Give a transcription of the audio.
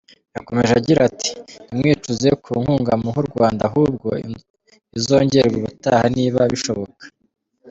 Yakomeje agira ati “Ntimwicuze ku nkunga muha u Rwanda ahubwo izongerwe ubutaha niba bishoboka.